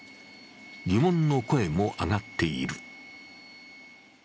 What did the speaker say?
疑問の声も上がっている。